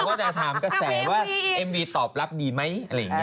ก็จะถามกระแสว่เอ็มวีตอบรับดีไหม